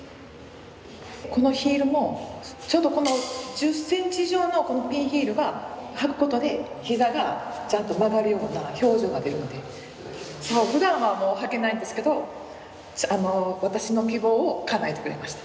このヒールもちょうどこの１０センチ以上のピンヒールを履くことで膝がちゃんと曲がるような表情が出るのでふだんはもう履けないんですけど私の希望をかなえてくれました。